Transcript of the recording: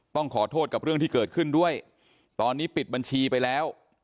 ต้องขอโทษกับเรื่องที่เกิดขึ้นด้วยตอนนี้ปิดบัญชีไปแล้ว